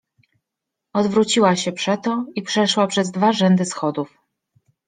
Odwróciła się przeto i przeszła przez dwa rzędy schodów.